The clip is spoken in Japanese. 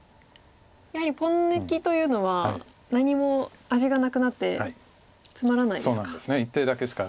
やはりポン抜きというのは何も味がなくなってつまらないんですか。